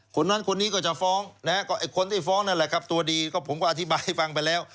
คุณวันนี้ก็จะฟ้องเมื่อก่อนคนที่ฟ้องตัวดีผมก็อธิบายให้ฟังไปแล้ว